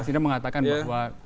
mas ida mengatakan bahwa